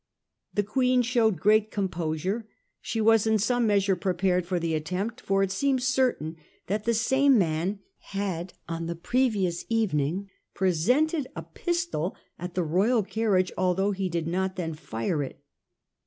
The Queen showed great composure. She was in some measure prepared for the attempt, for it seems certain that the same man had on the previous evening pre sented a pistol at the royal carriage, although he did not then fire it.